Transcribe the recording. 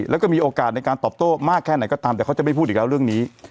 แล้วก็มีโอกาสในการตอบโต้มากแค่ไหนก็ตามแต่เขาจะไม่พูดอีกแล้วเรื่องนี้